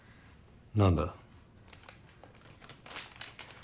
何だ。